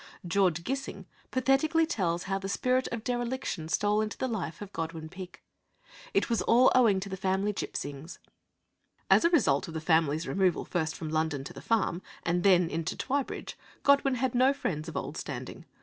George Gissing pathetically tells how the spirit of dereliction stole into the life of Godwin Peak. It was all owing to the family gipsyings. 'As a result of the family's removal first from London to the farm, and then into Twybridge, Godwin had no friends of old standing.